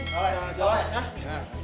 salam ya ya